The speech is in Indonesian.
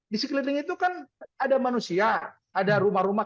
di sekeliling itu kan ada manusia ada rumah rumah